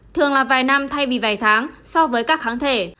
thường là vài năm thay vì vài tháng so với các kháng thể